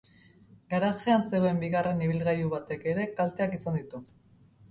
Garajean zegoen bigarren ibilgailu batek ere kalteak izan ditu.